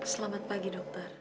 selamat pagi dokter